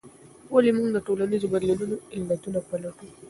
ولې موږ د ټولنیزو بدلونونو علتونه پلټو؟